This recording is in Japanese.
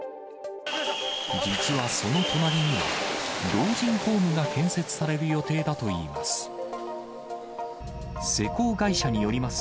実は、その隣には老人ホームが建設される予定だといいます。